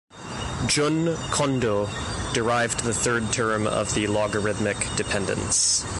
Jun Kondo derived the third term of the logarithmic dependence.